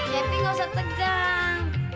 cepi gak usah tegang